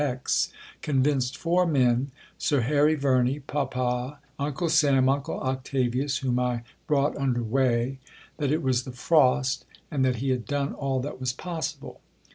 X. convinced four men Sir Harry Verney, Papa, Uncle Sam, Uncle Octavius whom I brought under weigh, that it was the frost and that he had done all that was possible.